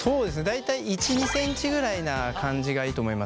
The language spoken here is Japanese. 大体１２センチぐらいな感じがいいと思いますね。